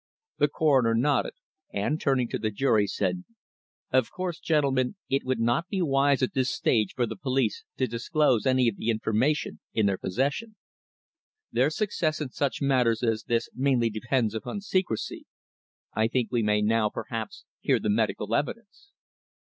The Coroner nodded, and turning to the jury, said "Of course, gentlemen, it would not be wise at this stage for the police to disclose any of the information in their possession. Their success in such matters as this mainly depends upon secrecy. I think we may now, perhaps, hear the medical evidence."